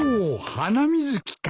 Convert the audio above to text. ハナミズキか。